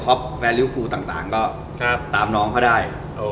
คุยกันโคตรมันเลย